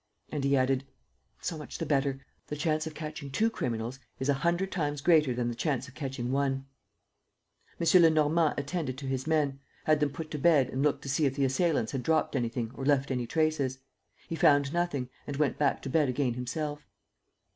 And he added, "So much the better. The chance of catching two criminals is a hundred times greater than the chance of catching one." M. Lenormand attended to his men, had them put to bed and looked to see if the assailants had dropped anything or left any traces. He found nothing and went back to bed again himself.